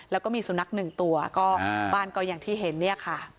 แล้วก็มีสุนัขหนึ่งตัวก็บ้านก็อย่างที่เห็นเนี่ยค่ะ